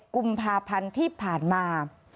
กุมภาพันธ์ที่ผ่านมา